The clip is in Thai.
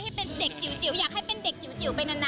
ให้เป็นเด็กจิ๋วอยากให้เป็นเด็กจิ๋วไปนาน